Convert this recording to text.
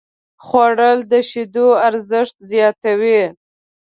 خوړل د شیدو ارزښت زیاتوي